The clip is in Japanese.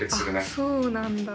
あそうなんだ。